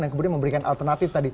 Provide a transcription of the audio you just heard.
dan kemudian memberikan alternatif